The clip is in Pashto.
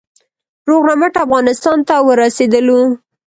روغ رمټ افغانستان ته ورسېدلو.